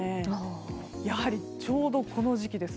やはり、ちょうどこの時期です。